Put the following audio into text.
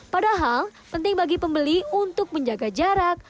padahal penting bagi pembeli untuk menjaga jarak